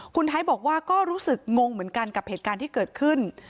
คุณไทยบอกว่าก็รู้สึกงงเหมือนกันกับเหตุการณ์ที่เกิดขึ้น